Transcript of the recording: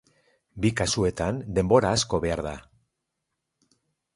Bi kasuetan denbora asko behar da.